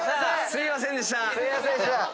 すいませんでした！